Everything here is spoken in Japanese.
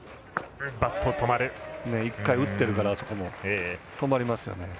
１回、打ってるからバットも止まりますよね。